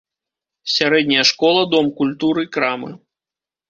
Сярэдняя школа, дом культуры, крамы.